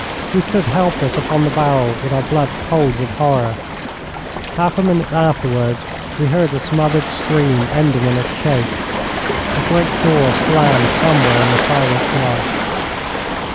We stood helpless upon the barrel with our blood cold with horror. Half a minute afterwards we heard a smothered scream, ending in a choke. A great door slammed somewhere in the silent night.